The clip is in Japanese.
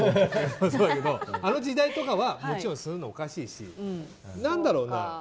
あの時代とかはもちろんそういうのはおかしいし何だろうな。